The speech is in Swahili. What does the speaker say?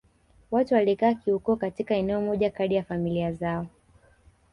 Watu walikaa kiukoo katika eneo moja kadri ya familia zao